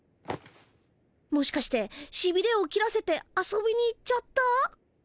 もしかしてしびれを切らせて遊びに行っちゃった？